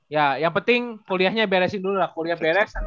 ya yang penting kuliahnya beresin dulu lah kuliah beresan